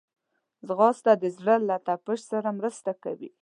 ځغاسته د زړه له تپش سره مرسته کوي